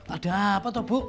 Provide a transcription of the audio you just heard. ada apa toh bu